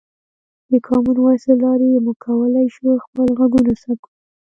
د کامن وایس له لارې موږ کولی شو خپل غږونه ثبت کړو.